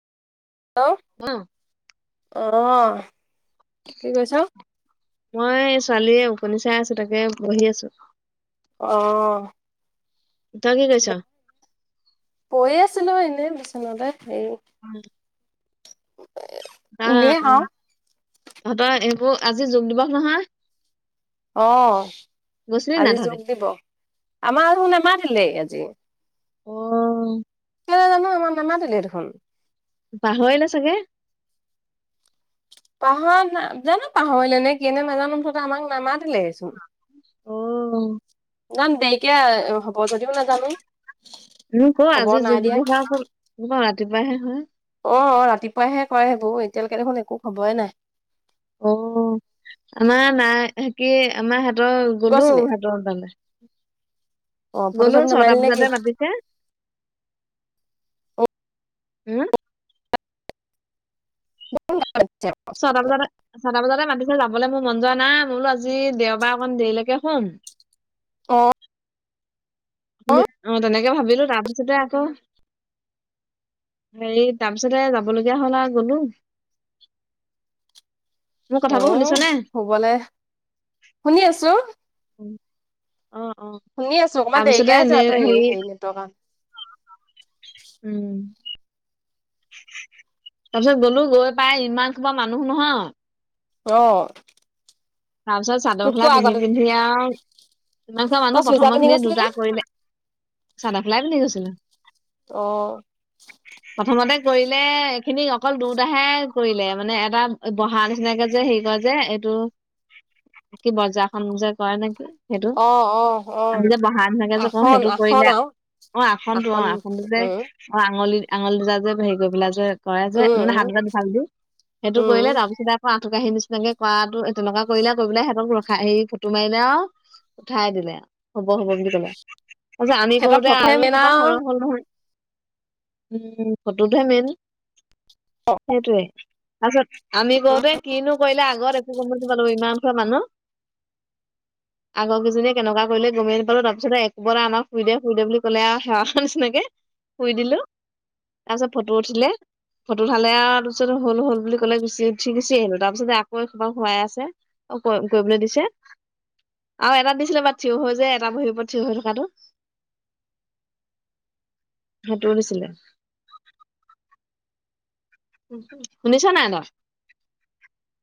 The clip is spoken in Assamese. হেল্ল অ আহ- কি কৈছ? মই ছোৱালীয়ে ওকনি চাই আছো তাকে বহি আছো। অহ। তই কি কৰিছ? পৰি আছিলো এনেই। বিচনাতে [unintelligible] সেই- অ [unintelligible] আহ অ। তহঁতৰ এইবোৰ আজি যোগ দিৱস নহয়? অ গৈছিলি নাই আজি তহঁতি? যোগ দিবস আমাৰ শুন নামাতিলেই। জ [unintelligible] অ। কে জানো আমাক নেমাতিলেই দেখোন। পাহৰিলে চাগে। পাহৰা ন জানো পাহৰিলে নে কিনে নাজানো থকা আমাক নামাতীলে চোন। অ। যাম দেৰিকে হ'ব যদিও নাজানো- মোক ক আজি খবৰ নাই য- দিয়া কেতিয়িবাহে হয়- অ ৰাতিপুৱাইহে কৰে সেইবোৰ এতিয়ালৈকে দেখোন একো খবৰে নাই। অ আমাৰ নাই স কি আমাৰ- হঁতৰ গলো গৈছিলি সিহঁতৰ তালে অ ফটো গলো চটো ছটা নামাৰিলি নেকি বজাতে মাতিছে- হম। ছটা বজাতে ছটা বজাতে মাতিছে যাবলৈ মোৰ মন যোৱা না বোলো আজি দেওবাৰ অকন দেৰিলৈকে হুম, অ'। অ তেনেকে ভাবিলো তাৰ পিছতে আকৌ, হেৰি তাৰপিছতে যাব লগীয়া হল আৰু গলো। মোৰ কথাবোৰ আহ শুনিছনে? শুবলৈ, শুনি আছো। অ অ শুনি আছো অকমান তাৰপিছতে দেৰিকে আহিছে এনে যা তু হেৰি [unintelligible] [inaudible] তাৰপিছত গলো গৈ পাই ইমান খোপা মানুহ নহয়, আহ। তাৰ পিছত চাদৰ মেখেলা পিন্ধি পিন্ধি আৰু ইমানুৱা তই মানুহ চুইজাৰ প্ৰথম পিন্ধি খিনি গৈছিলি নে? দুটা কৰিলে, চাদৰ মেখেলা পিন্ধি গৈছিলো। অ'। প্ৰথমতে কৰিলে এইখিনি অকল দুযটাহে কৰিলে মানে এটা বহা নিচিনাকে যে হেৰি কৰে যে এইটো কি বজাৰখন কৰে নেকি? সেইটো অ', অ', অ', আমি যে বহা ধুনাকে যে কওঁ আসন সেইটো আসন কৰিলে আৰু অ আসনটো অ আসন আসনটো যে উম, অ আঙুলি আঙল দুটা যে হেৰি গৈ পেলা যে কৰে যে উম, মে হাত উম, দুটা দুফাল দি সেইটো উম, কৰিলে তাৰপিছত আকৌ [unintelligible] আহি নিচিনাকে কৰাটো তেনেকুৱা কৰিলে কৰিব পেলাই সিহঁতক ৰখা হেৰি ফটো মাৰিলে আৰু উঠাই দিলে হব হব বুলি কলে। তাছত আমি সিহঁতৰ কৰোতে ফটোহে আৰু মেইন এখোপা সৰহ আৰু। হ'ল নহয়। উম ফটোতহে মেইন। সেইটোৱে। তাৰপিছত আমি কওঁতে কিনো কৰিলা আগত একো ইমানখন মানুহ আগৰ কেইজনীয়ে কেনেকুৱা কৰিলে গমেই নাপালো তাৰপিছত একবাৰ আমাক শুই দে শুই দে বুলি কলে আৰু সেৱা নিচিনাকে শুই দিলো তাৰ পিছত ফটো উঠিলে ফটো উঠালে আৰু পিছত হল হল বুলি কলে গুচি উঠি গুচি আহিলো তাৰ পিছত আকৌ হুৱাই আছে কৰিবলৈ দিছে আৰু এটা দিছিলে বাৰ থিৰ হৈ যে এটা ভৰিৰ ওপৰত থিয় হৈ থকাতটো সেইটোও দিছিলে। শুনিছা নাই ন